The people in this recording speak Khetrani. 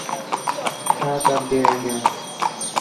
چَھا کر ڄے انڄیاں